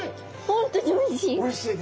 本当においしい。